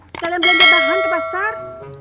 sekalian belanja bahan ke pasar